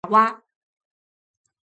亚参爪哇。